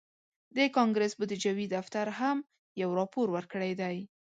د کانګرس بودیجوي دفتر هم یو راپور ورکړی دی